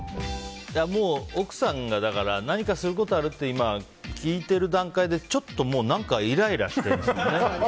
奥さんが何かすることある？って今、聞いている段階でちょっともう、何かイライラしているんですよね。